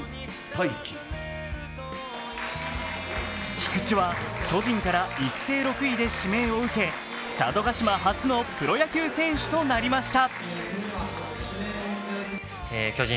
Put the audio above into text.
菊地は巨人から育成６位指名を受け、佐渡島初のプロ野球選手となりました。